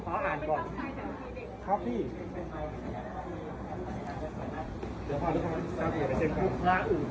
ก็ทำบัตรคุณเดี๋ยวก่อนคุณนิ่งนิ่งก่อนคุณนิ่งนิ่ง